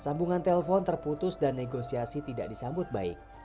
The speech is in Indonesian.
sambungan telpon terputus dan negosiasi tidak berjalan